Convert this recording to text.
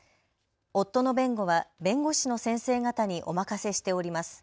夫の弁護は弁護士の先生方にお任せしております。